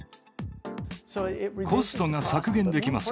コストが削減できます。